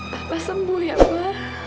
papa sembuh ya pa